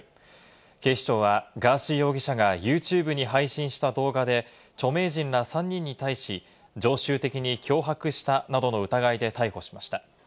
警視庁は、ガーシー容疑者がＹｏｕＴｕｂｅに配信した動画で、著名人ら３人に対し、常習的に脅迫したなどの疑いで逮捕しました。